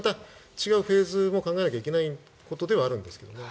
違うフェーズも考えなきゃいけないことではあるんですが。